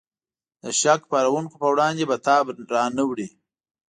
د شک پارونکو په وړاندې به تاب را نه وړي.